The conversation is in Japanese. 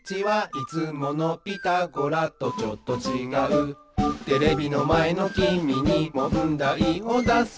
「いつものピタゴラとちょっとちがう」「テレビのまえのきみにもんだいをだすぞ」